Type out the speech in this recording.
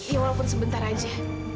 ya walaupun sebentar aja